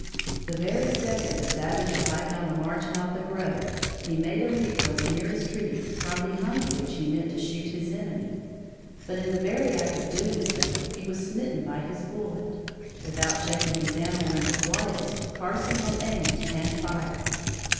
The very second the savage arrived on the margin of the grove, he made a leap for the nearest tree from behind which he meant to shoot his enemy; but in the very act of doing so, he was smitten by his bullet. Without checking his animal in the slightest, Carson had aimed and fired.